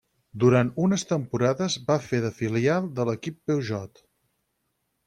Durant unes temporades va fer de filial de l'equip Peugeot.